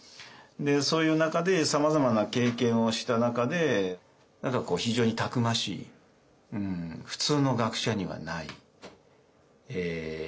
そういう中でさまざまな経験をした中で何かこう非常にたくましい普通の学者にはないえ